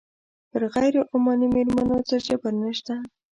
پر غیر عماني مېرمنو څه جبر نه شته.